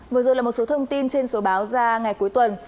vừa rồi là một số thông tin trên số báo ra ngày cuối tuần